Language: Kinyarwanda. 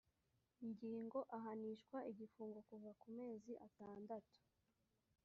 ngingo ahanishwa igifungo kuva ku mezi atandatu